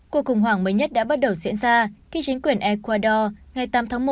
cuộc khủng hoảng mới nhất đã bắt đầu diễn ra khi chính quyền ecuador ngày tám tháng một